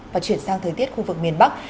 và chuyển sang thời tiết khu vực miền bắc